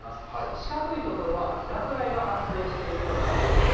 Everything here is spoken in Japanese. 四角い所は、落雷が発生しているような所です。